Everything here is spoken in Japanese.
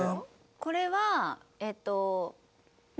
これはえっと。